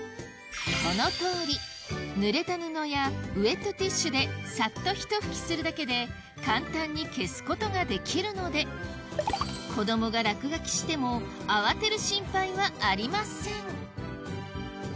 このとおりぬれた布やウエットティッシュでサッとひと拭きするだけで簡単に消すことができるので子供が落書きしても慌てる心配はありません